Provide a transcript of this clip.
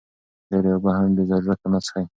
ډېرې اوبه هم بې ضرورته مه څښئ.